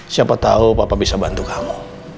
siapa tahu papa bisa bantu kamu